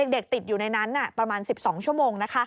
เด็กติดอยู่ในนั้นประมาณ๑๒ชั่วโมง